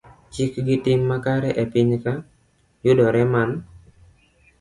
Chik gi tim makare e piny ka, yudore man